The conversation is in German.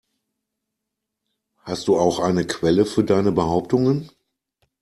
Hast du auch eine Quelle für deine Behauptungen?